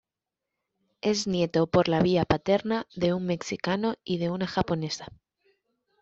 Es nieto por la vía paterna de un mexicano y de una japonesa.